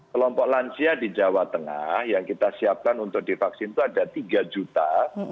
kelompok lansia di jawa tengah yang kita siapkan untuk divaksin itu ada tiga satu ratus dua puluh sembilan empat puluh dua